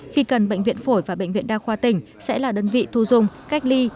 khi cần bệnh viện phổi và bệnh viện đa khoa tỉnh sẽ là đơn vị thu dung cách ly